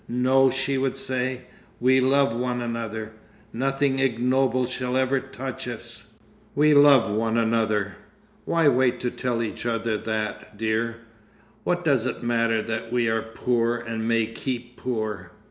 "No," she would say, "we love one another. Nothing ignoble shall ever touch us. We love one another. Why wait to tell each other that, dear? What does it matter that we are poor and may keep poor?"